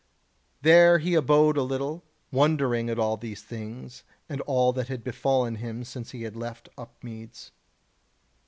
There he abode a little, wondering at all these things and all that had befallen him since he had left Upmeads.